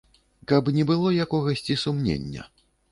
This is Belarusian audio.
Каб не было якогасьці сумнення.